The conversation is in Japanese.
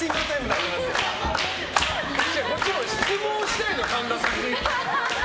こっちも質問したいの神田さんに。